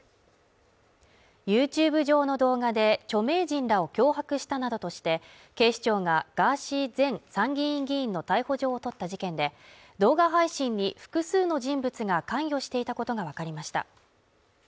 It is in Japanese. ＹｏｕＴｕｂｅ上の動画で著名人らを脅迫したなどとして、警視庁がガーシー前参議院議員の逮捕状を取った事件で動画配信に複数の人物が関与していたことがわかりました